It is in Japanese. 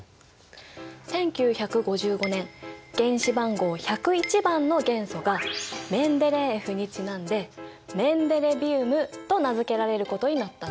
１９５５年原子番号１０１番の元素がメンデレーエフにちなんでと名付けられることになったんだ。